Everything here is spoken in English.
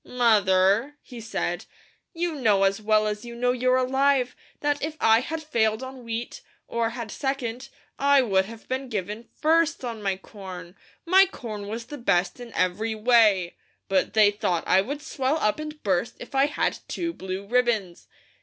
"Mother," he said, "you know as well as you know you're alive, that if I had failed on wheat, or had second, I would have been given FIRST on my corn; my corn was the best in every way, but they thought I would swell up and burst if I had two blue ribbons.